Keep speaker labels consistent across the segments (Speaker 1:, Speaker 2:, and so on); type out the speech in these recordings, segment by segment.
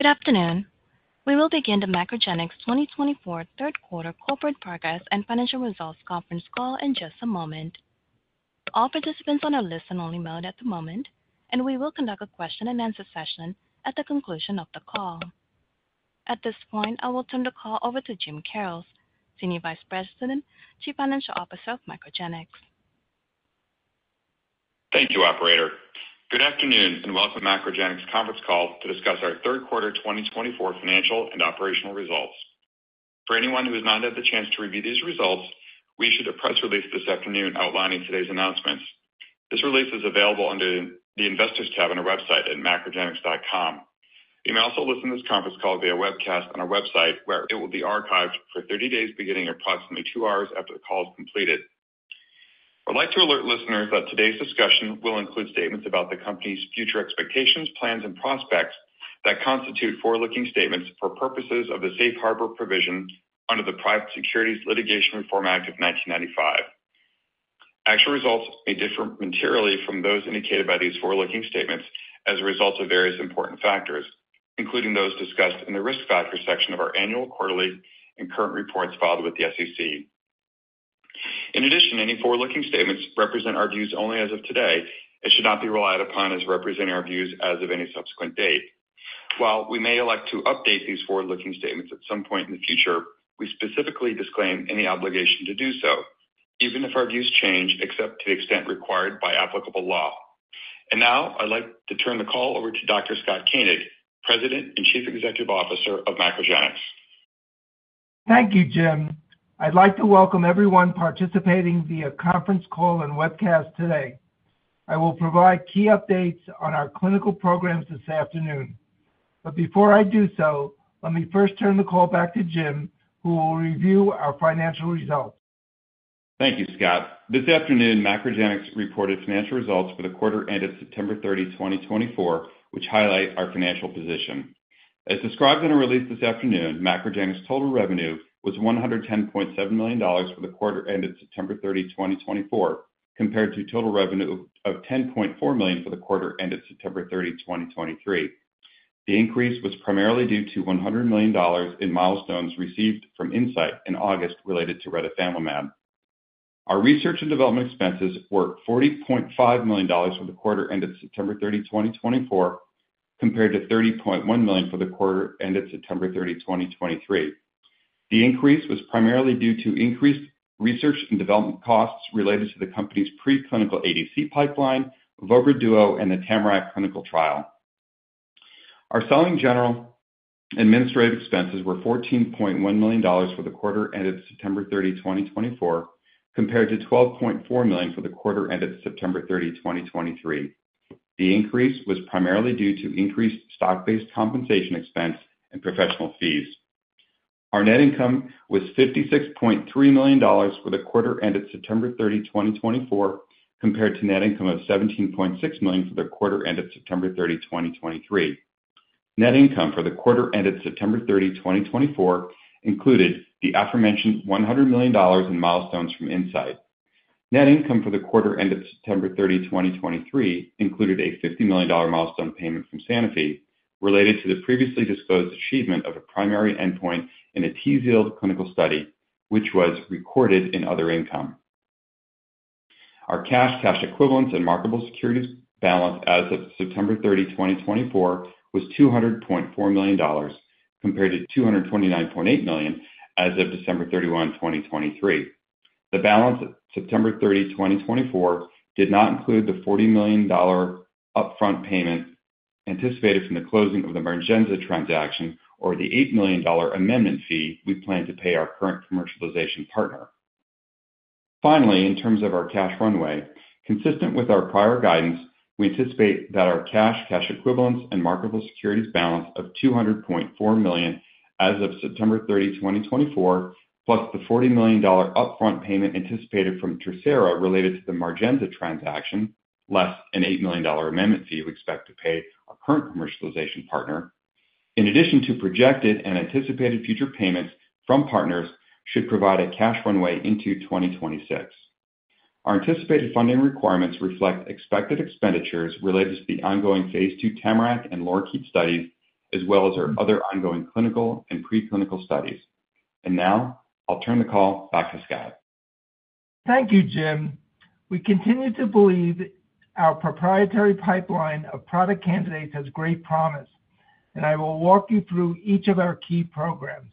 Speaker 1: Good afternoon. We will begin the MacroGenics 2024 Third Quarter Corporate Progress and Financial Results Conference Call in just a moment. All participants are on a listen-only mode at the moment, and we will conduct a question-and-answer session at the conclusion of the call. At this point, I will turn the call over to Jim Karrels, Senior Vice President and Chief Financial Officer of MacroGenics.
Speaker 2: Thank you, Operator. Good afternoon and welcome to the MacroGenics conference call to discuss our third quarter 2024 financial and operational results. For anyone who has not had the chance to review these results, we issued a press release this afternoon outlining today's announcements. This release is available under the Investors tab on our website at macrogenics.com. You may also listen to this conference call via webcast on our website, where it will be archived for 30 days, beginning approximately two hours after the call is completed. I would like to alert listeners that today's discussion will include statements about the company's future expectations, plans, and prospects that constitute forward-looking statements for purposes of the safe harbor provision under the Private Securities Litigation Reform Act of 1995. Actual results may differ materially from those indicated by these forward-looking statements as a result of various important factors, including those discussed in the risk factor section of our annual, quarterly, and current reports filed with the SEC. In addition, any forward-looking statements represent our views only as of today and should not be relied upon as representing our views as of any subsequent date. While we may elect to update these forward-looking statements at some point in the future, we specifically disclaim any obligation to do so, even if our views change, except to the extent required by applicable law. And now, I'd like to turn the call over to Dr. Scott Koenig, President and Chief Executive Officer of MacroGenics.
Speaker 3: Thank you, Jim. I'd like to welcome everyone participating via conference call and webcast today. I will provide key updates on our clinical programs this afternoon. But before I do so, let me first turn the call back to Jim, who will review our financial results.
Speaker 2: Thank you, Scott. This afternoon, MacroGenics reported financial results for the quarter ended September 30, 2024, which highlight our financial position. As described in a release this afternoon, MacroGenics' total revenue was $110.7 million for the quarter ended September 30, 2024, compared to total revenue of $10.4 million for the quarter ended September 30, 2023. The increase was primarily due to $100 million in milestones received from Incyte in August related to retifanlimab. Our research and development expenses were $40.5 million for the quarter ended September 30, 2024, compared to $30.1 million for the quarter ended September 30, 2023. The increase was primarily due to increased research and development costs related to the company's preclinical ADC pipeline, Vovra Duo, and the TAMARACK clinical trial. Our selling general administrative expenses were $14.1 million for the quarter ended September 30, 2024, compared to $12.4 million for the quarter ended September 30, 2023. The increase was primarily due to increased stock-based compensation expense and professional fees. Our net income was $56.3 million for the quarter ended September 30, 2024, compared to net income of $17.6 million for the quarter ended September 30, 2023. Net income for the quarter ended September 30, 2024, included the aforementioned $100 million in milestones from Gilead. Net income for the quarter ended September 30, 2023, included a $50 million milestone payment from Sanofi related to the previously disclosed achievement of a primary endpoint in a TZIELD clinical study, which was recorded in other income. Our cash, cash equivalents, and marketable securities balance as of September 30, 2024, was $200.4 million, compared to $229.8 million as of December 31, 2023. The balance at September 30, 2024, did not include the $40 million upfront payment anticipated from the closing of the MARGENZA transaction or the $8 million amendment fee we plan to pay our current commercialization partner. Finally, in terms of our cash runway, consistent with our prior guidance, we anticipate that our cash, cash equivalents, and marketable securities balance of $200.4 million as of September 30, 2024, plus the $40 million upfront payment anticipated from TerSera related to the MARGENZA transaction, less an $8 million amendment fee we expect to pay our current commercialization partner, in addition to projected and anticipated future payments from partners, should provide a cash runway into 2026. Our anticipated funding requirements reflect expected expenditures related to the ongoing phase II TAMARACK and LORIKEET studies, as well as our other ongoing clinical and preclinical studies. And now, I'll turn the call back to Scott.
Speaker 3: Thank you, Jim. We continue to believe our proprietary pipeline of product candidates has great promise, and I will walk you through each of our key programs.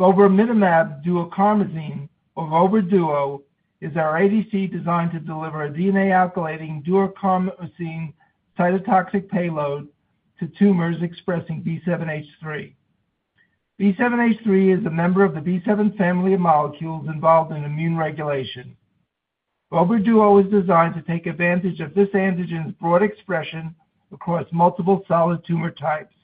Speaker 3: Vobramitamab duocarmazine, or Vovra Duo, is our ADC designed to deliver a DNA-alkylating duocarmazine cytotoxic payload to tumors expressing B7-H3. B7-H3 is a member of the B7 family of molecules involved in immune regulation. Vovra Duo is designed to take advantage of this antigen's broad expression across multiple solid tumor types.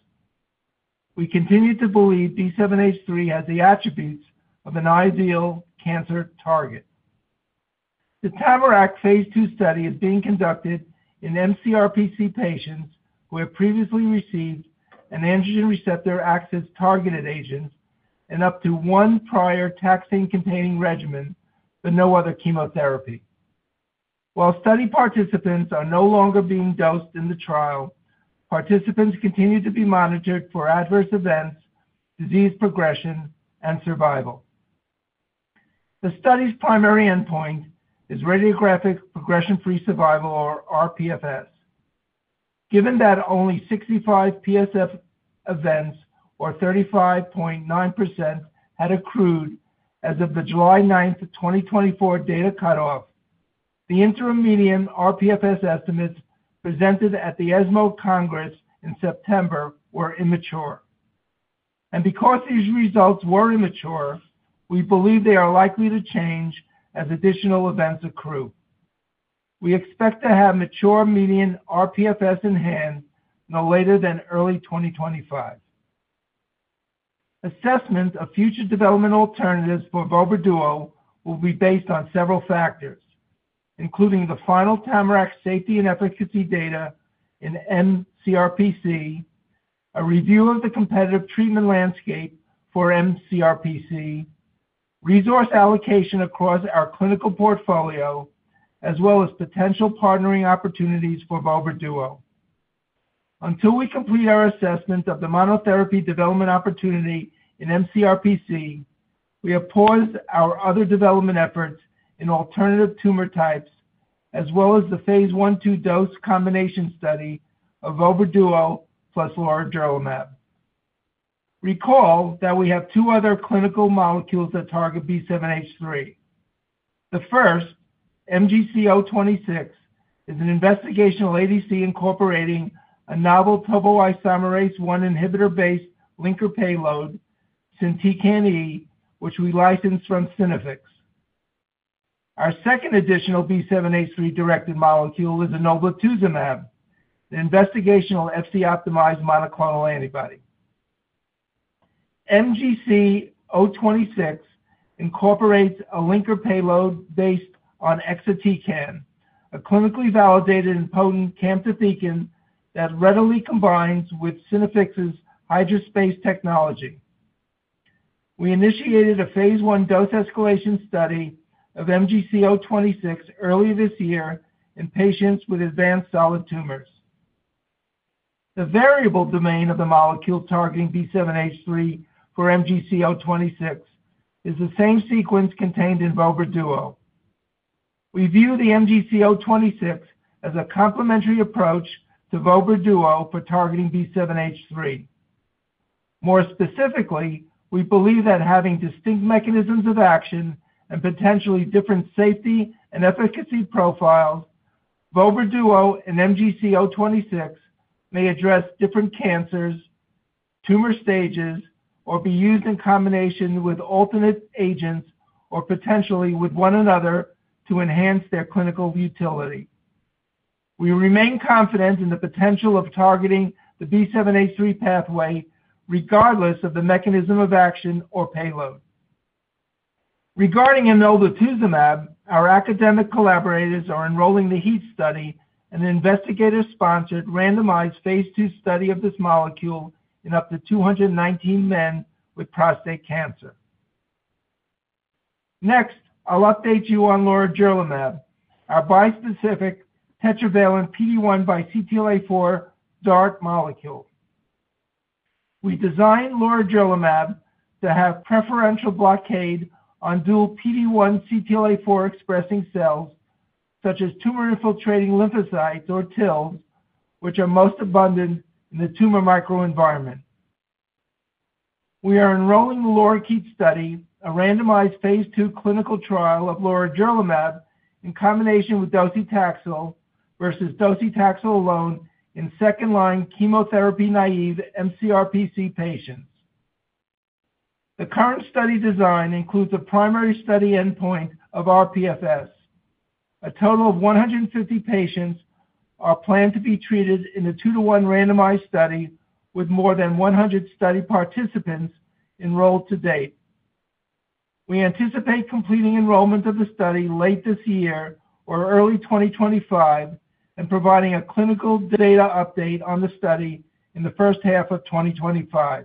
Speaker 3: We continue to believe B7-H3 has the attributes of an ideal cancer target. The TAMARACK phase II study is being conducted in mCRPC patients who have previously received an androgen receptor axis-targeted agent and up to one prior taxane-containing regimen, but no other chemotherapy. While study participants are no longer being dosed in the trial, participants continue to be monitored for adverse events, disease progression, and survival. The study's primary endpoint is radiographic progression-free survival, or rPFS. Given that only 65 rPFS events, or 35.9%, had accrued as of the July 9, 2024, data cutoff, the interim median rPFS estimates presented at the ESMO Congress in September were immature, and because these results were immature, we believe they are likely to change as additional events accrue. We expect to have mature median rPFS in hand no later than early 2025. Assessment of future development alternatives for Vovra Duo will be based on several factors, including the final Tamarack safety and efficacy data in mCRPC, a review of the competitive treatment landscape for mCRPC, resource allocation across our clinical portfolio, as well as potential partnering opportunities for Vovra Duo. Until we complete our assessment of the monotherapy development opportunity in mCRPC, we have paused our other development efforts in alternative tumor types, as well as the phase I-II dose combination study of Vovra Duo plus lorigerlimab. Recall that we have two other clinical molecules that target B7-H3. The first, MGC026, is an investigational ADC incorporating a novel topoisomerase I inhibitor-based linker payload, SYNtecan E, which we licensed from Synaffix. Our second additional B7-H3-directed molecule is enoblituzumab, the investigational Fc-optimized monoclonal antibody. MGC026 incorporates a linker payload based on exatecan, a clinically validated and potent camptothecin that readily combines with Synaffix's HydraSpace technology. We initiated a phase I dose escalation study of MGC026 early this year in patients with advanced solid tumors. The variable domain of the molecule targeting B7-H3 for MGC026 is the same sequence contained in Vovra Duo. We view the MGC026 as a complementary approach to Vovra Duo for targeting B7-H3. More specifically, we believe that having distinct mechanisms of action and potentially different safety and efficacy profiles, Vovra Duo and MGC026 may address different cancers, tumor stages, or be used in combination with alternate agents or potentially with one another to enhance their clinical utility. We remain confident in the potential of targeting the B7-H3 pathway regardless of the mechanism of action or payload. Regarding enoblituzumab, our academic collaborators are enrolling the HEAT study and an investigator-sponsored randomized phase II study of this molecule in up to 219 men with prostate cancer. Next, I'll update you on lorigerlimab, our bispecific tetravalent PD-1 and CTLA-4 DART molecule. We designed lorigerlimab to have preferential blockade on dual PD-1 and CTLA-4-expressing cells, such as tumor-infiltrating lymphocytes or TILs, which are most abundant in the tumor microenvironment. We are enrolling the LORIKEET study, a randomized phase II clinical trial of lorigerlimab in combination with docetaxel versus docetaxel alone in second-line chemotherapy naive mCRPC patients. The current study design includes a primary study endpoint of rPFS. A total of 150 patients are planned to be treated in a two-to-one randomized study with more than 100 study participants enrolled to date. We anticipate completing enrollment of the study late this year or early 2025 and providing a clinical data update on the study in the first half of 2025.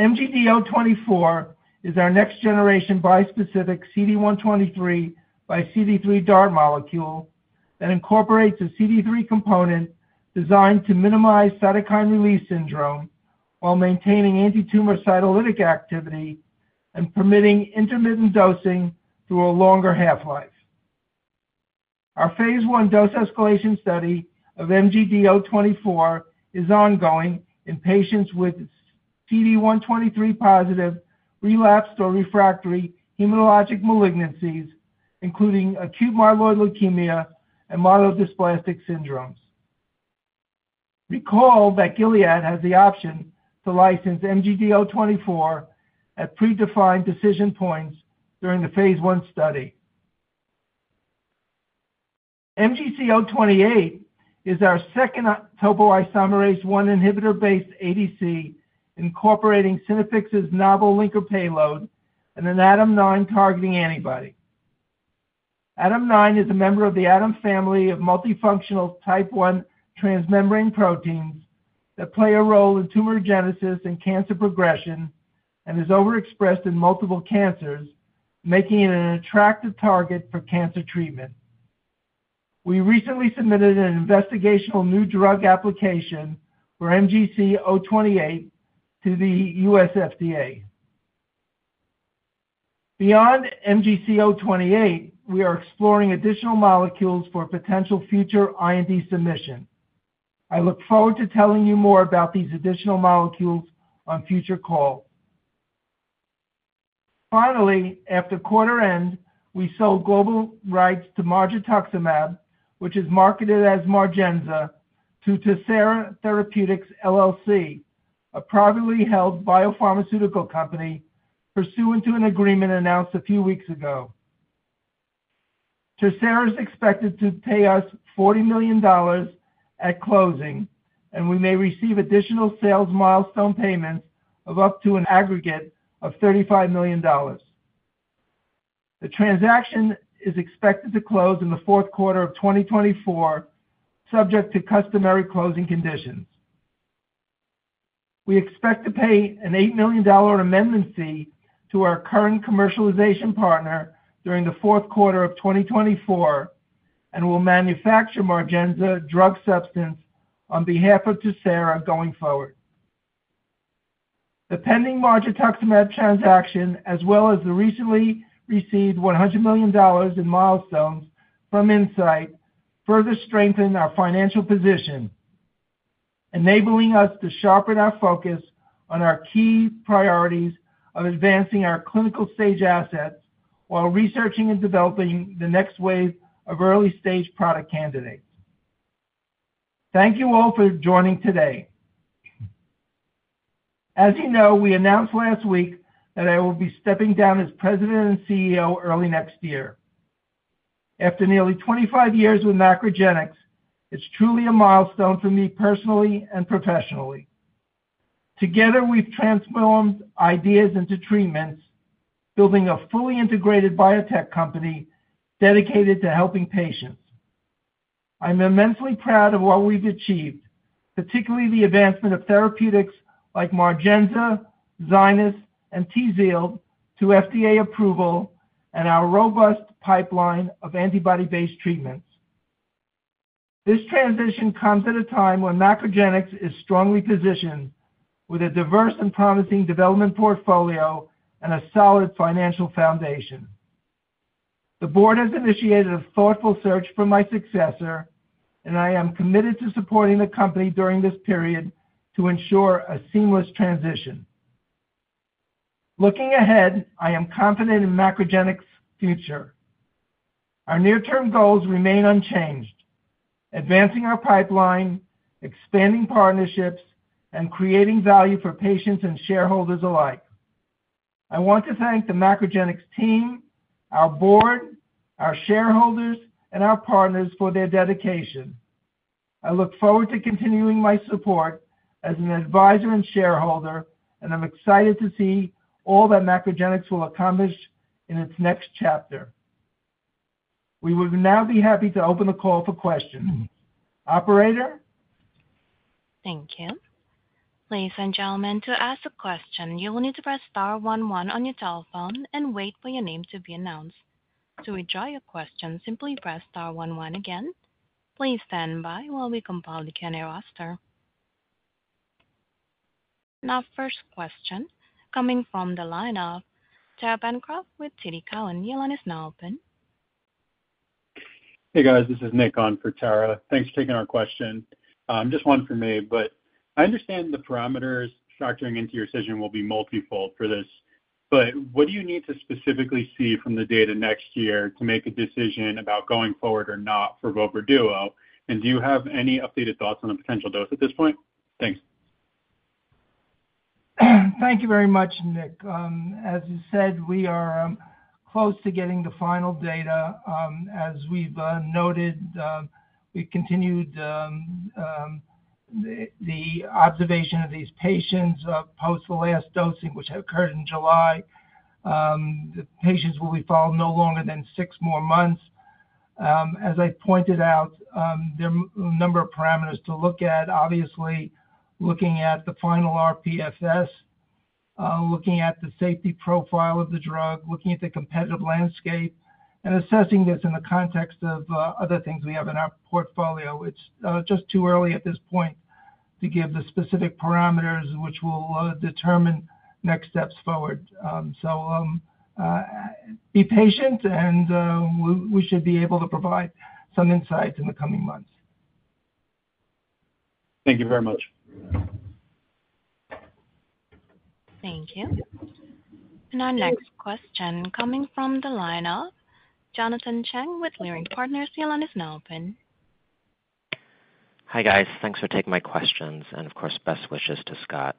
Speaker 3: MGD024 is our next-generation bispecific CD123 x CD3 DART molecule that incorporates a CD3 component designed to minimize cytokine release syndrome while maintaining anti-tumor cytolytic activity and permitting intermittent dosing through a longer half-life. Our phase I dose escalation study of MGD024 is ongoing in patients with CD123-positive relapsed or refractory hematologic malignancies, including acute myeloid leukemia and myelodysplastic syndromes. Recall that Gilead has the option to license MGD024 at predefined decision points during the phase I study. MGC028 is our second topoisomerase I inhibitor-based ADC incorporating Synaffix's novel linker payload and an ADAM9 targeting antibody. ADAM9 is a member of the ADAM family of multifunctional type I transmembrane proteins that play a role in tumorigenesis and cancer progression and is overexpressed in multiple cancers, making it an attractive target for cancer treatment. We recently submitted an investigational new drug application for MGC028 to the US FDA. Beyond MGC028, we are exploring additional molecules for potential future IND submission. I look forward to telling you more about these additional molecules on future calls. Finally, after quarter end, we sold global rights to margetuximab, which is marketed as MARGENZA, to TerSera Therapeutics LLC, a privately held biopharmaceutical company pursuant to an agreement announced a few weeks ago. TerSera is expected to pay us $40 million at closing, and we may receive additional sales milestone payments of up to an aggregate of $35 million. The transaction is expected to close in the fourth quarter of 2024, subject to customary closing conditions. We expect to pay an $8 million amendment fee to our current commercialization partner during the fourth quarter of 2024 and will manufacture MARGENZA drug substance on behalf of TerSera going forward. The pending margetuximab transaction, as well as the recently received $100 million in milestones from Incyte, further strengthen our financial position, enabling us to sharpen our focus on our key priorities of advancing our clinical stage assets while researching and developing the next wave of early-stage product candidates. Thank you all for joining today. As you know, we announced last week that I will be stepping down as President and CEO early next year. After nearly 25 years with MacroGenics, it's truly a milestone for me personally and professionally. Together, we've transformed ideas into treatments, building a fully integrated biotech company dedicated to helping patients. I'm immensely proud of what we've achieved, particularly the advancement of therapeutics like MARGENZA, ZYNYZ, and TZIELD to FDA approval and our robust pipeline of antibody-based treatments. This transition comes at a time when MacroGenics is strongly positioned with a diverse and promising development portfolio and a solid financial foundation. The board has initiated a thoughtful search for my successor, and I am committed to supporting the company during this period to ensure a seamless transition. Looking ahead, I am confident in MacroGenics' future. Our near-term goals remain unchanged: advancing our pipeline, expanding partnerships, and creating value for patients and shareholders alike. I want to thank the MacroGenics team, our board, our shareholders, and our partners for their dedication. I look forward to continuing my support as an advisor and shareholder, and I'm excited to see all that MacroGenics will accomplish in its next chapter. We would now be happy to open the call for questions. Operator?
Speaker 1: Thank you. Ladies and gentlemen, to ask a question, you will need to press star one-one on your telephone and wait for your name to be announced. To withdraw your question, simply press star one-one again. Please stand by while we compile the Q&A roster. Now, first question coming from the line of Tara Bancroft with TD Cowen. The line is now open. Hey, guys. This is Nick on for Tara. Thanks for taking our question. Just one from me, but I understand the parameters factoring into your decision will be multifold for this, but what do you need to specifically see from the data next year to make a decision about going forward or not for Vovra Duo? And do you have any updated thoughts on the potential dose at this point? Thanks.
Speaker 3: Thank you very much, Nick. As you said, we are close to getting the final data. As we've noted, we've continued the observation of these patients post the last dosing, which occurred in July. The patients will be followed no longer than six more months. As I pointed out, there are a number of parameters to look at, obviously looking at the final rPFS, looking at the safety profile of the drug, looking at the competitive landscape, and assessing this in the context of other things we have in our portfolio. It's just too early at this point to give the specific parameters, which will determine next steps forward. So be patient, and we should be able to provide some insights in the coming months. Thank you very much.
Speaker 1: Thank you. And our next question coming from the line of Jonathan Chang with Leerink Partners. Your line is now open.
Speaker 4: Hi, guys. Thanks for taking my questions. And of course, best wishes to Scott.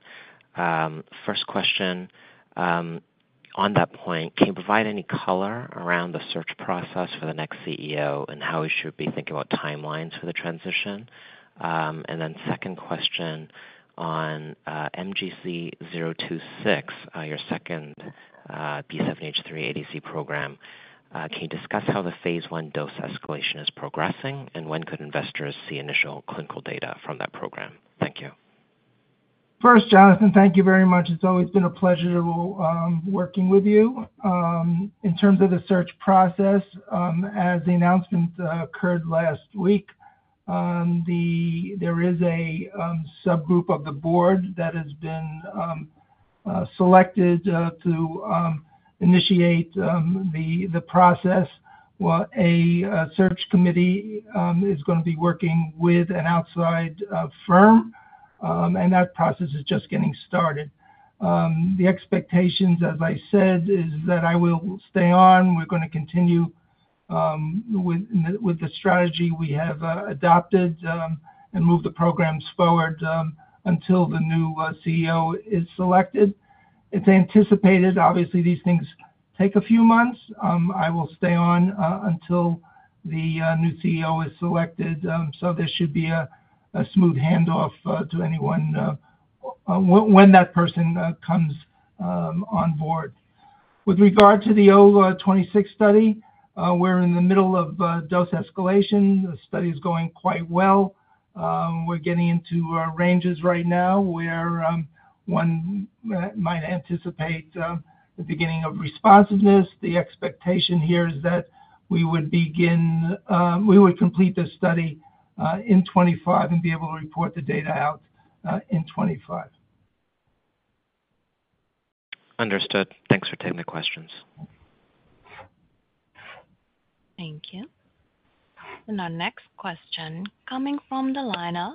Speaker 4: First question, on that point, can you provide any color around the search process for the next CEO and how he should be thinking about timelines for the transition? And then second question on MGC026, your second B7-H3 ADC program. Can you discuss how the phase I dose escalation is progressing, and when could investors see initial clinical data from that program? Thank you.
Speaker 3: First, Jonathan, thank you very much. It's always been a pleasure working with you. In terms of the search process, as the announcement occurred last week, there is a subgroup of the board that has been selected to initiate the process. A search committee is going to be working with an outside firm, and that process is just getting started. The expectations, as I said, is that I will stay on. We're going to continue with the strategy we have adopted and move the programs forward until the new CEO is selected. It's anticipated, obviously, these things take a few months. I will stay on until the new CEO is selected. So there should be a smooth handoff to anyone when that person comes on board. With regard to the MGC026 study, we're in the middle of dose escalation. The study is going quite well. We're getting into ranges right now where one might anticipate the beginning of responsiveness. The expectation here is that we would complete this study in 2025 and be able to report the data out in 2025.
Speaker 4: Understood. Thanks for taking the questions.
Speaker 1: Thank you. And our next question coming from the line of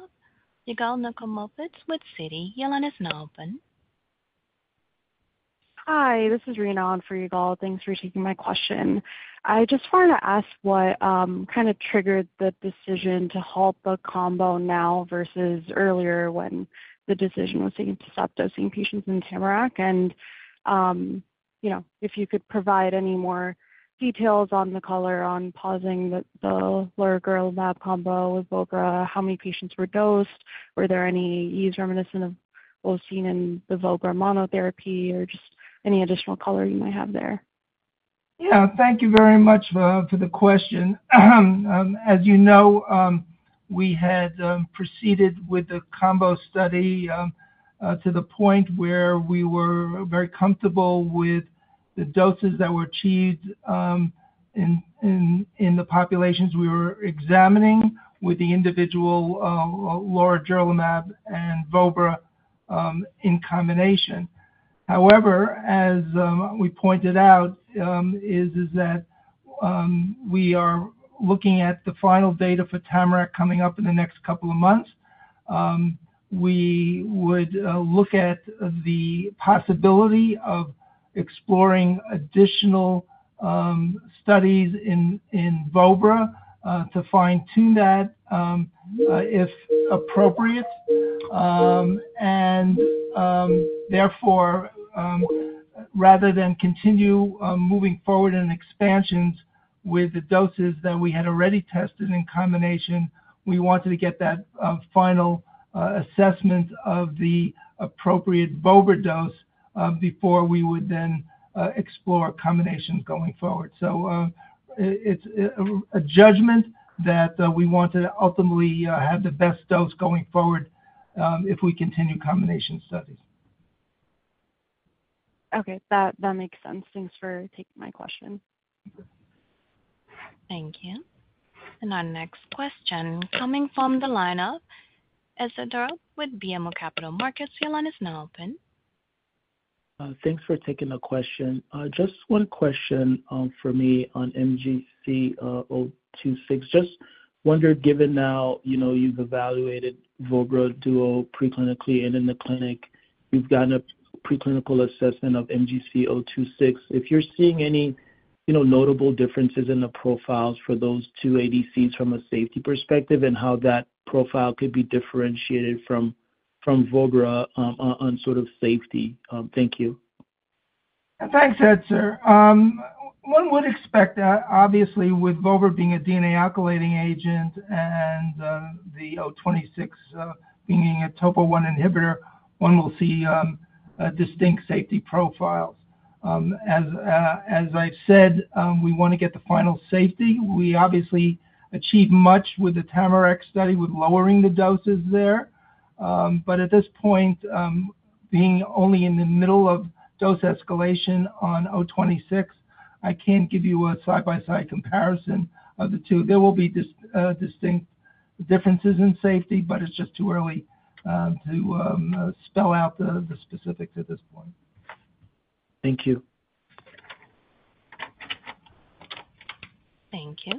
Speaker 1: Yigal Nochomovitz with Citi. Your line is now open. Hi. This is Renan for Yigal. Thanks for taking my question. I just wanted to ask what kind of triggered the decision to halt the combo now versus earlier when the decision was taken to stop dosing patients in Tamarack. And if you could provide any more details on the color on pausing the lorigerlimab combo with Vovra, how many patients were dosed? Were there any issues reminiscent of what was seen in the Vovra monotherapy or just any additional color you might have there?
Speaker 3: Yeah. Thank you very much for the question. As you know, we had proceeded with the combo study to the point where we were very comfortable with the doses that were achieved in the populations we were examining with the individual lorigerlimab and Vovra in combination. However, as we pointed out, is that we are looking at the final data for TAMARACK coming up in the next couple of months. We would look at the possibility of exploring additional studies in Vovra to fine-tune that if appropriate. And therefore, rather than continue moving forward in expansions with the doses that we had already tested in combination, we wanted to get that final assessment of the appropriate Vovra dose before we would then explore combinations going forward. So it's a judgment that we want to ultimately have the best dose going forward if we continue combination studies. Okay. That makes sense. Thanks for taking my question.
Speaker 1: Thank you. And our next question coming from the line of Etzer Darout with BMO Capital Markets. Your line is now open.
Speaker 5: Thanks for taking the question. Just one question for me on MGC026. Just wondered, given now you've evaluated Vovra Duo preclinically and in the clinic, you've gotten a preclinical assessment of MGC026. If you're seeing any notable differences in the profiles for those two ADCs from a safety perspective and how that profile could be differentiated from Vovra on sort of safety, thank you?
Speaker 3: Thanks, Etzer. One would expect that, obviously, with Vovra being a DNA alkylating agent and the MGC026 being a topo-1 inhibitor, one will see distinct safety profiles. As I've said, we want to get the final safety. We obviously achieved much with the Tamarack study with lowering the doses there. But at this point, being only in the middle of dose escalation on MGC026, I can't give you a side-by-side comparison of the two. There will be distinct differences in safety, but it's just too early to spell out the specifics at this point.
Speaker 5: Thank you.
Speaker 1: Thank you,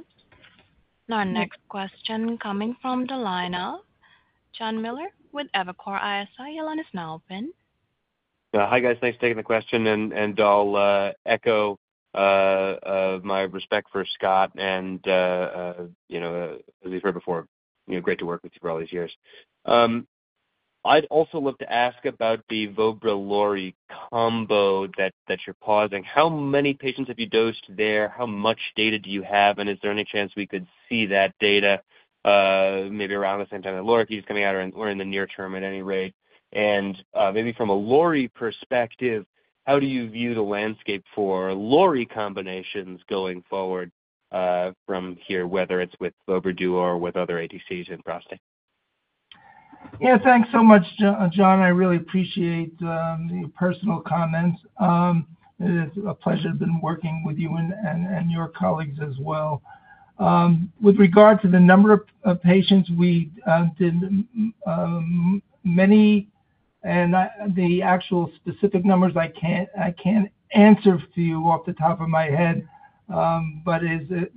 Speaker 1: and our next question coming from the line of Jonathan Miller with Evercore ISI. Your line is now open.
Speaker 4: Hi, guys. Thanks for taking the question. And I'll echo my respect for Scott. And as you've heard before, great to work with you for all these years. I'd also love to ask about the Vovra-Lori combo that you're pausing. How many patients have you dosed there? How much data do you have? And is there any chance we could see that data maybe around the same time that Lorig is coming out or in the near term at any rate? And maybe from a Lorig perspective, how do you view the landscape for Lorig combinations going forward from here, whether it's with Vovra Duo or with other ADCs in prostate?
Speaker 3: Yeah. Thanks so much, John. I really appreciate the personal comments. It's a pleasure being working with you and your colleagues as well. With regard to the number of patients, we did many, and the actual specific numbers, I can't answer to you off the top of my head, but it's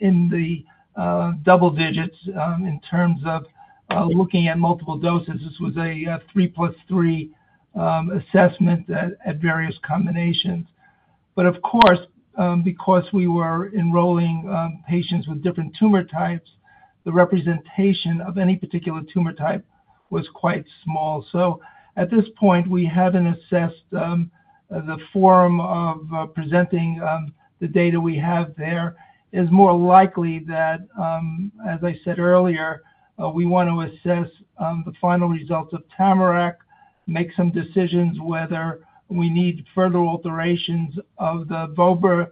Speaker 3: in the double digits in terms of looking at multiple doses. This was a 3 plus 3 assessment at various combinations, but of course, because we were enrolling patients with different tumor types, the representation of any particular tumor type was quite small. So at this point, we haven't assessed the form of presenting the data we have there. It's more likely that, as I said earlier, we want to assess the final results of TAMARACK, make some decisions whether we need further alterations of the Vovra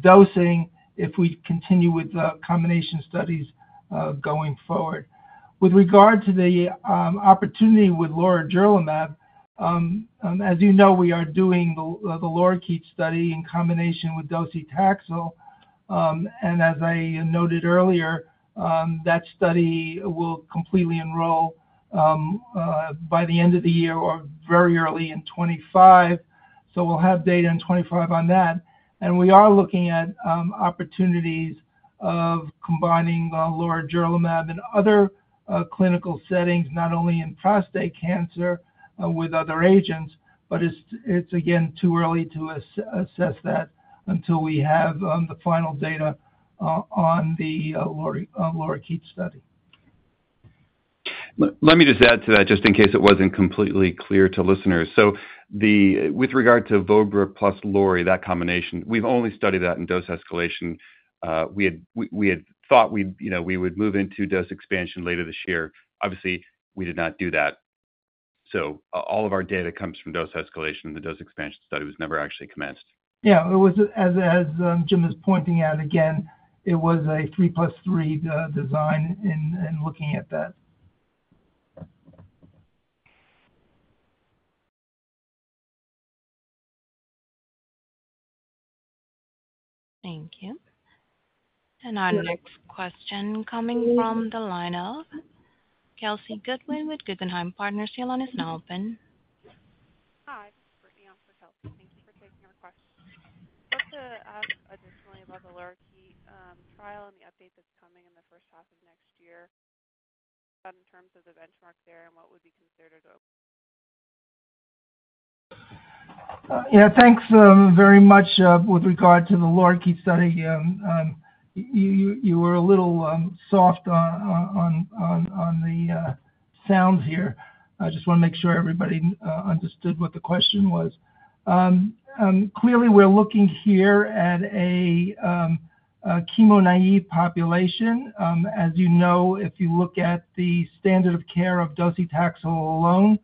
Speaker 3: dosing if we continue with the combination studies going forward. With regard to the opportunity with lorigerlimab, as you know, we are doing the LORIKEET study in combination with docetaxel. And as I noted earlier, that study will completely enroll by the end of the year or very early in 2025. So we'll have data in 2025 on that. And we are looking at opportunities of combining lorigerlimab and other clinical settings, not only in prostate cancer with other agents, but it's, again, too early to assess that until we have the final data on the LORIKEET study.
Speaker 2: Let me just add to that, just in case it wasn't completely clear to listeners, so with regard to Vovra plus Lorig, that combination, we've only studied that in dose escalation. We had thought we would move into dose expansion later this year. Obviously, we did not do that, so all of our data comes from dose escalation. The dose expansion study was never actually commenced.
Speaker 3: Yeah. As Jim is pointing out, again, it was a three plus three design in looking at that.
Speaker 1: Thank you. And our next question coming from the line of Kelsey Goodwin with Guggenheim Partners. The line is now open. Hi. This is Brittany. I'm for Kelsey. Thank you for taking our question. Just to ask additionally about the LORIKEET trial and the update that's coming in the first half of next year, in terms of the benchmark there and what would be considered?
Speaker 3: Yeah. Thanks very much with regard to the LORIKEET study. You were a little soft on the numbers here. I just want to make sure everybody understood what the question was. Clearly, we're looking here at a chemo-naive population. As you know, if you look at the standard of care of docetaxel alone,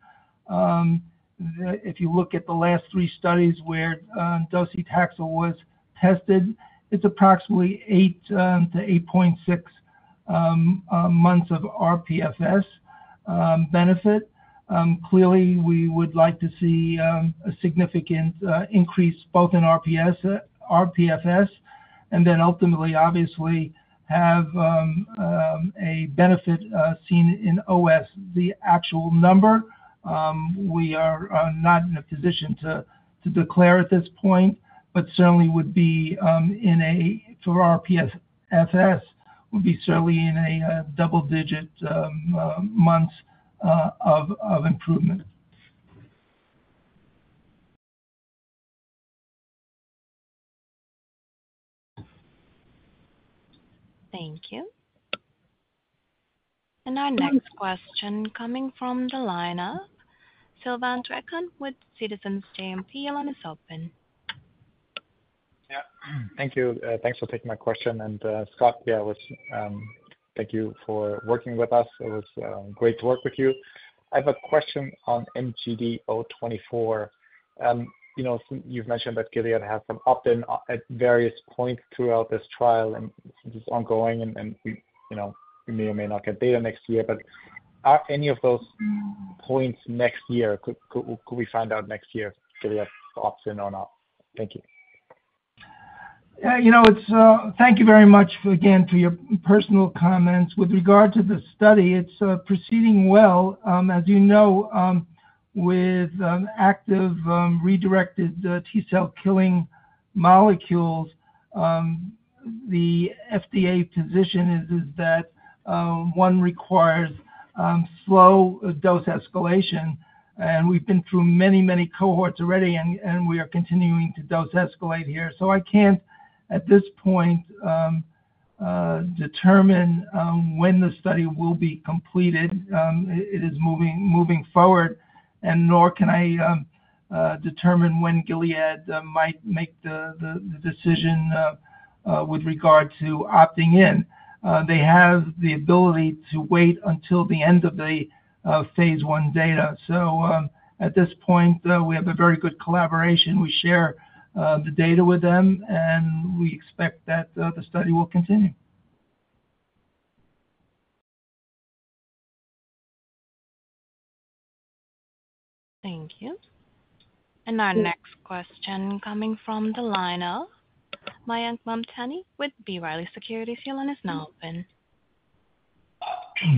Speaker 3: if you look at the last three studies where docetaxel was tested, it's approximately 8-8.6 months of rPFS benefit. Clearly, we would like to see a significant increase both in rPFS and then ultimately, obviously, have a benefit seen in OS. The actual number, we are not in a position to declare at this point, but certainly would be aiming for rPFS, would be certainly in a double-digit months of improvement.
Speaker 1: Thank you. And our next question coming from the line of Silvan Tuerkcan with Citizens JMP. Your line is open.
Speaker 6: Yeah. Thank you. Thanks for taking my question. And Scott, yeah, thank you for working with us. It was great to work with you. I have a question on MGD024. You've mentioned that Gilead has some opt-in at various points throughout this trial and it's ongoing, and we may or may not get data next year. But are any of those points next year? Could we find out next year if Gilead opts in or not? Thank you.
Speaker 3: Yeah. Thank you very much, again, for your personal comments. With regard to the study, it's proceeding well. As you know, with active redirected T-cell killing molecules, the FDA position is that one requires slow dose escalation. And we've been through many, many cohorts already, and we are continuing to dose escalate here. So I can't, at this point, determine when the study will be completed. It is moving forward. And nor can I determine when Gilead might make the decision with regard to opting in. They have the ability to wait until the end of the phase one data. So at this point, we have a very good collaboration. We share the data with them, and we expect that the study will continue.
Speaker 1: Thank you. And our next question coming from the line of Mayank Mamtani with B. Riley Securities. Your line is now open.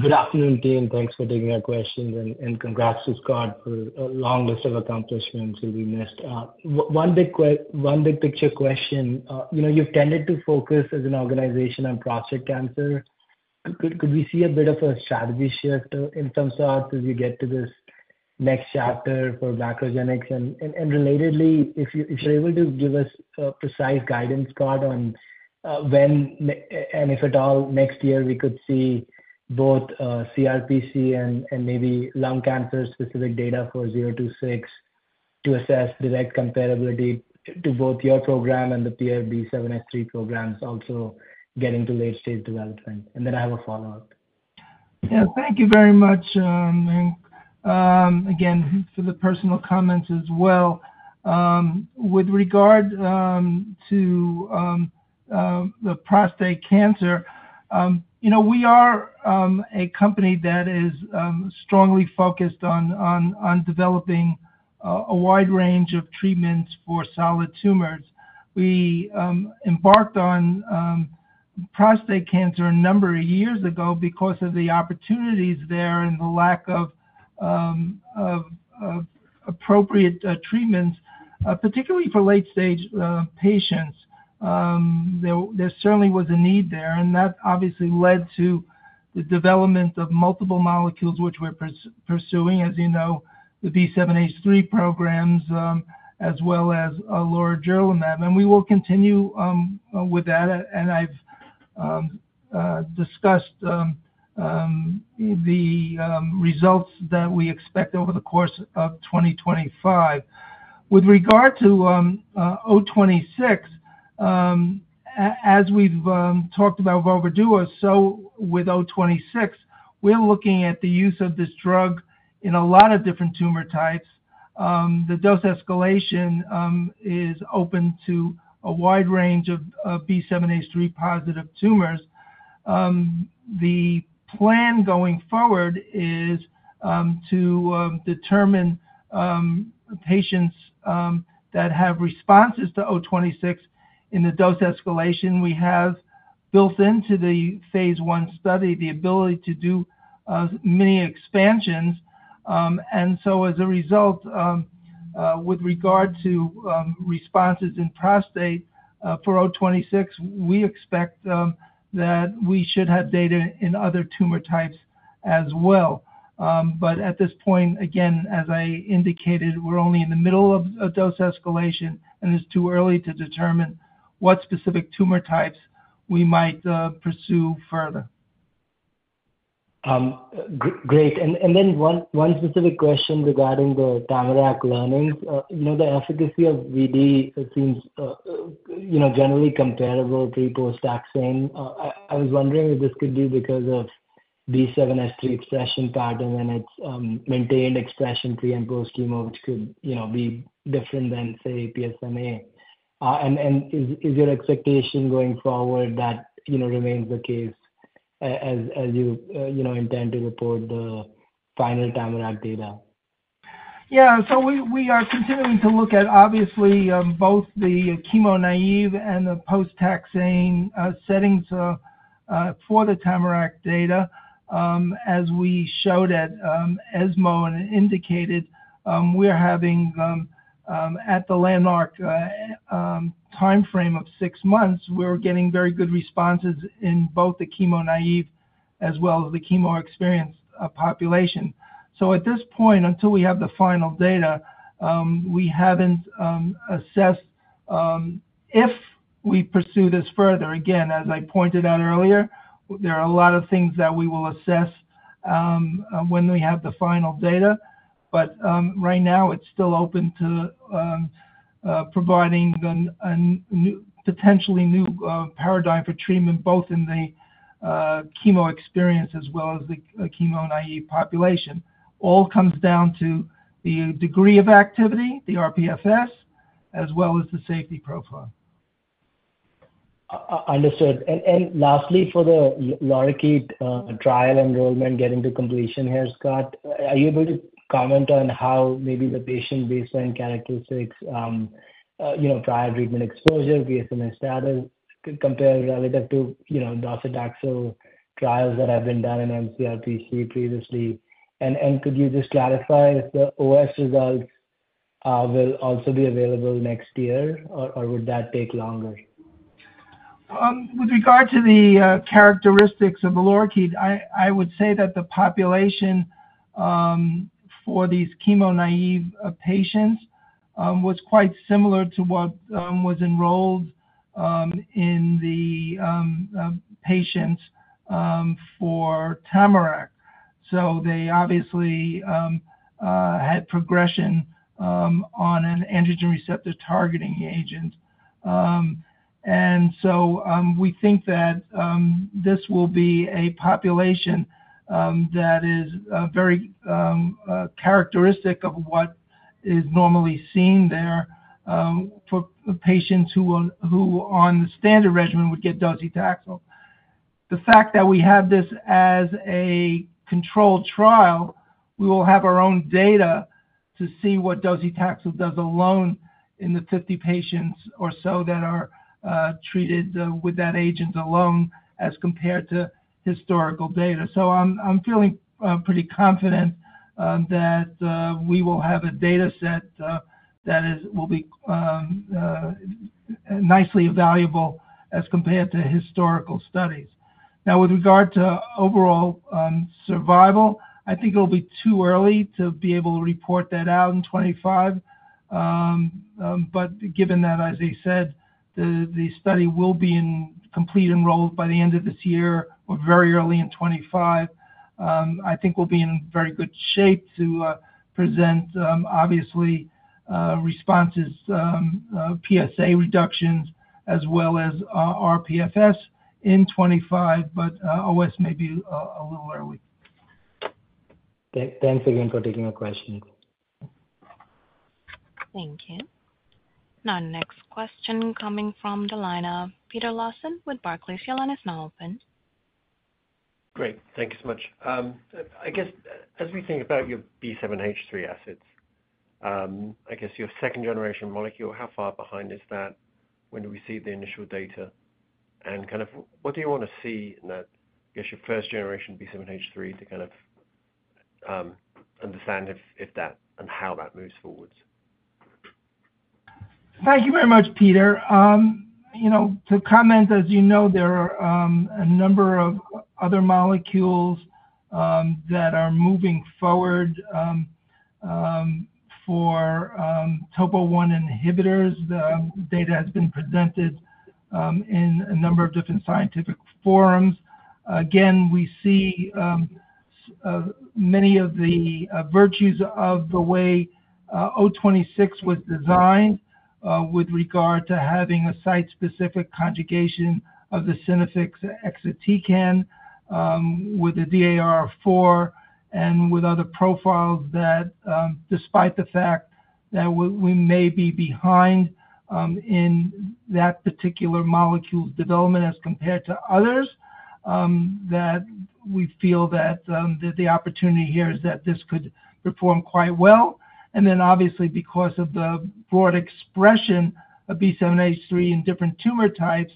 Speaker 7: Good afternoon, Dean. Thanks for taking our questions. And congrats to Scott for a long list of accomplishments that we missed. One big picture question. You've tended to focus as an organization on prostate cancer. Could we see a bit of a strategy shift in some thoughts as you get to this next chapter for MacroGenics? And relatedly, if you're able to give us precise guidance, Scott, on when and if at all next year we could see both CRPC and maybe lung cancer-specific data for 026 to assess direct compatibility to both your program and the B7-H3 programs, also getting to late-stage development. And then I have a follow-up.
Speaker 3: Yeah. Thank you very much. And again, for the personal comments as well. With regard to the prostate cancer, we are a company that is strongly focused on developing a wide range of treatments for solid tumors. We embarked on prostate cancer a number of years ago because of the opportunities there and the lack of appropriate treatments, particularly for late-stage patients. There certainly was a need there. And that obviously led to the development of multiple molecules which we're pursuing, as you know, the B7-H3 programs as well as lorigerlimab. And we will continue with that. And I've discussed the results that we expect over the course of 2025. With regard to MGC026, as we've talked about Vovra Duo, so with MGC026, we're looking at the use of this drug in a lot of different tumor types. The dose escalation is open to a wide range of B7-H3 positive tumors. The plan going forward is to determine patients that have responses to MGC026 in the dose escalation. We have built into the phase one study the ability to do many expansions. And so as a result, with regard to responses in prostate for MGC026, we expect that we should have data in other tumor types as well. But at this point, again, as I indicated, we're only in the middle of a dose escalation, and it's too early to determine what specific tumor types we might pursue further.
Speaker 7: Great. And then one specific question regarding the TAMARACK learnings. The efficacy of VD seems generally comparable to pre-post taxane. I was wondering if this could be because of B7-H3 expression pattern and its maintained expression pre and post chemo, which could be different than, say, PSMA. And is your expectation going forward that remains the case as you intend to report the final TAMARACK data?
Speaker 3: Yeah. So we are continuing to look at, obviously, both the chemo-naive and the post-taxane settings for the TAMARACK data. As we showed at ESMO and indicated, we're having at the landmark timeframe of six months. We're getting very good responses in both the chemo-naive as well as the chemo-experienced population. So at this point, until we have the final data, we haven't assessed if we pursue this further. Again, as I pointed out earlier, there are a lot of things that we will assess when we have the final data. But right now, it's still open to providing a potentially new paradigm for treatment both in the chemo-experienced as well as the chemo-naive population. All comes down to the degree of activity, the rPFS, as well as the safety profile.
Speaker 7: Understood. And lastly, for the LORIKEET trial enrollment getting to completion here, Scott, are you able to comment on how maybe the patient baseline characteristics, prior treatment exposure, PSMA status, compare relative to docetaxel trials that have been done in mCRPC previously? And could you just clarify if the OS results will also be available next year, or would that take longer?
Speaker 3: With regard to the characteristics of the LORIKEET, I would say that the population for these chemo naive patients was quite similar to what was enrolled in the patients for TAMARACK, so they obviously had progression on an androgen receptor targeting agent, and so we think that this will be a population that is very characteristic of what is normally seen there for patients who on the standard regimen would get docetaxel. The fact that we have this as a controlled trial, we will have our own data to see what docetaxel does alone in the 50 patients or so that are treated with that agent alone as compared to historical data, so I'm feeling pretty confident that we will have a dataset that will be nicely valuable as compared to historical studies. Now, with regard to overall survival, I think it'll be too early to be able to report that out in 2025, but given that, as I said, the study will be complete and enrolled by the end of this year or very early in 2025, I think we'll be in very good shape to present, obviously, responses, PSA reductions as well as rPFS in 2025, but OS may be a little early.
Speaker 7: Thanks again for taking our questions.
Speaker 1: Thank you. Now, next question coming from the line of Peter Lawson with Barclays. Your line is now open.
Speaker 8: Great. Thank you so much. I guess as we think about your B7-H3 assets, I guess your second-generation molecule, how far behind is that when we see the initial data? And kind of what do you want to see in that, I guess, your first-generation B7-H3 to kind of understand if that and how that moves forward?
Speaker 3: Thank you very much, Peter. To comment, as you know, there are a number of other molecules that are moving forward for topo-1 inhibitors. The data has been presented in a number of different scientific forums. Again, we see many of the virtues of the way MGC026 was designed with regard to having a site-specific conjugation of the Synaffix exatecan with the DAR of 4 and with other profiles that, despite the fact that we may be behind in that particular molecule's development as compared to others, that we feel that the opportunity here is that this could perform quite well. And then, obviously, because of the broad expression of B7-H3 in different tumor types,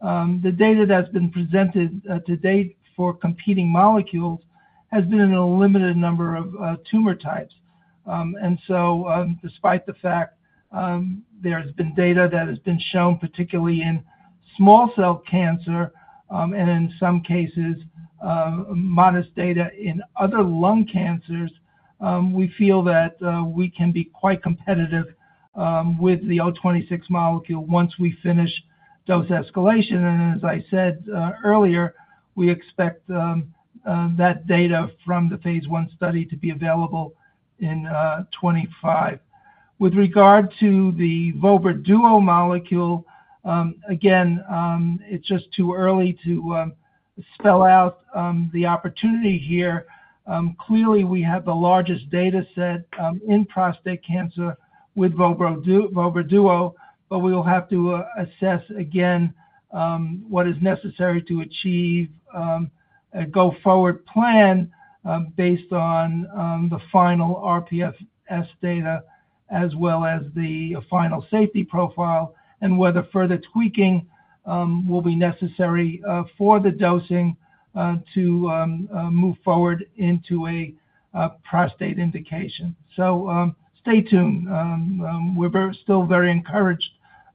Speaker 3: the data that's been presented to date for competing molecules has been in a limited number of tumor types. Despite the fact there has been data that has been shown, particularly in small cell cancer and in some cases modest data in other lung cancers, we feel that we can be quite competitive with the MGC026 molecule once we finish dose escalation. As I said earlier, we expect that data from the phase I study to be available in 2025. With regard to the Vovra Duo molecule, again, it's just too early to spell out the opportunity here. Clearly, we have the largest dataset in prostate cancer with Vovra Duo, but we will have to assess again what is necessary to achieve a go-forward plan based on the final rPFS data as well as the final safety profile and whether further tweaking will be necessary for the dosing to move forward into a prostate indication. Stay tuned. We're still very encouraged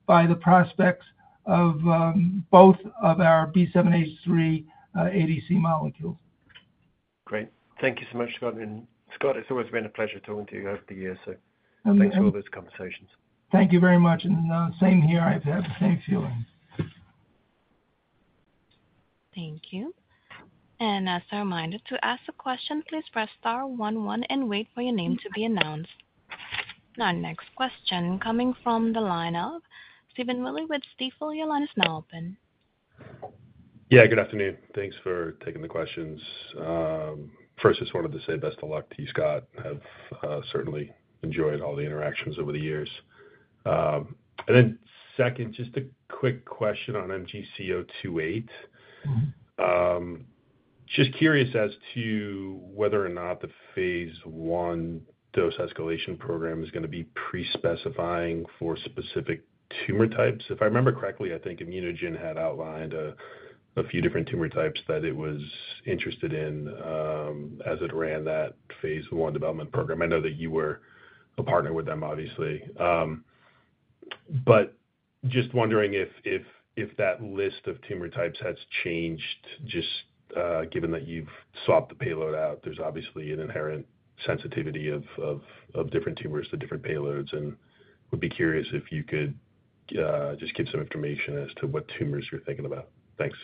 Speaker 3: by the prospects of both of our B7-H3 ADC molecules.
Speaker 8: Great. Thank you so much, Scott. And Scott, it's always been a pleasure talking to you over the years. So thanks for all those conversations.
Speaker 3: Thank you very much, and same here. I have the same feelings.
Speaker 1: Thank you. And as a reminder to ask a question, please press star one-one and wait for your name to be announced. Now, next question coming from the line of Stephen Willey with Stifel. Your line is now open.
Speaker 9: Yeah. Good afternoon. Thanks for taking the questions. First, just wanted to say best of luck to you, Scott. I've certainly enjoyed all the interactions over the years. And then second, just a quick question on MGC028. Just curious as to whether or not the phase one dose escalation program is going to be pre-specifying for specific tumor types. If I remember correctly, I think ImmunoGen had outlined a few different tumor types that it was interested in as it ran that phase one development program. I know that you were a partner with them, obviously. But just wondering if that list of tumor types has changed just given that you've swapped the payload out. There's obviously an inherent sensitivity of different tumors to different payloads. And would be curious if you could just give some information as to what tumors you're thinking about. Thanks.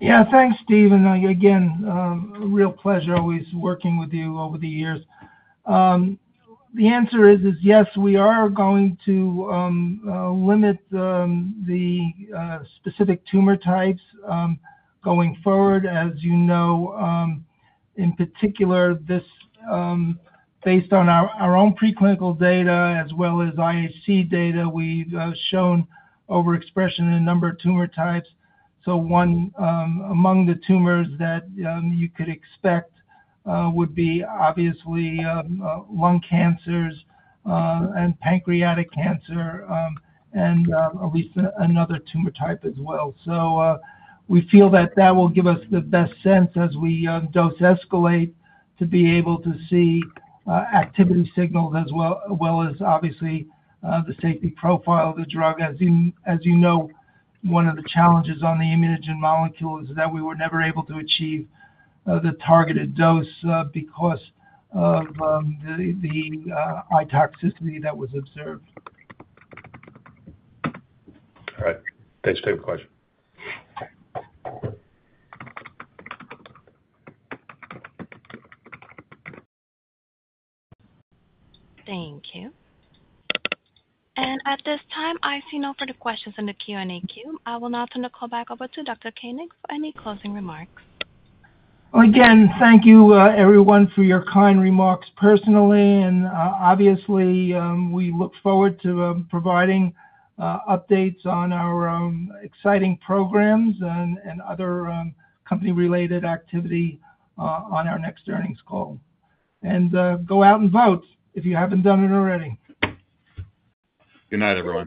Speaker 3: Yeah. Thanks, Stephen. Again, a real pleasure always working with you over the years. The answer is yes, we are going to limit the specific tumor types going forward. As you know, in particular, based on our own preclinical data as well as IHC data, we've shown overexpression in a number of tumor types. So one among the tumors that you could expect would be obviously lung cancers and pancreatic cancer and at least another tumor type as well. So we feel that that will give us the best sense as we dose escalate to be able to see activity signals as well as obviously the safety profile of the drug. As you know, one of the challenges on the ImmunoGen molecule is that we were never able to achieve the targeted dose because of the high toxicity that was observed.
Speaker 9: All right. Thanks for taking the question.
Speaker 1: Thank you, and at this time, I see no further questions in the Q&A queue. I will now turn the call back over to Dr. Koenig for any closing remarks.
Speaker 3: Again, thank you, everyone, for your kind remarks personally. Obviously, we look forward to providing updates on our exciting programs and other company-related activity on our next earnings call. Go out and vote if you haven't done it already.
Speaker 2: Good night, everyone.